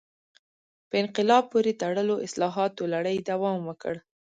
په انقلاب پورې تړلو اصلاحاتو لړۍ دوام وکړ.